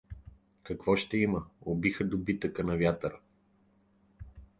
— Какво ще има… Убиха добитъка на вятъра.